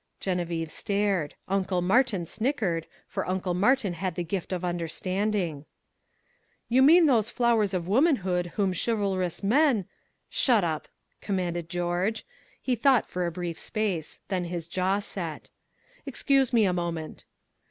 Geneviève stared. Uncle Martin snickered, for Uncle Martin had the gift of understanding. "You mean those flowers of womanhood whom chivalrous man " "Shut up," commanded George. He thought for a brief space; then his jaw set. "Excuse me a moment."